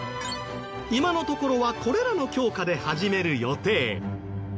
今のところはこれらの教科で始める予定。